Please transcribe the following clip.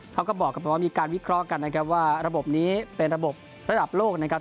เขาก็บอกกับว่ามีการวิเคราะห์กันนะครับว่าระบบนี้เป็นระบบระดับโลกนะครับ